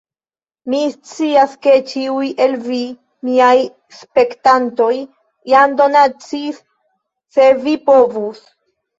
Mi scias ke ĉiuj el vi, miaj spektantoj jam donacis se vi povus